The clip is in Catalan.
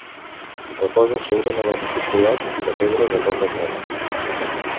Reposa sobre una base circular, de pedra, de poca alçada.